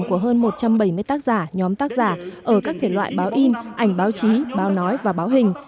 của hơn một trăm bảy mươi tác giả nhóm tác giả ở các thể loại báo in ảnh báo chí báo nói và báo hình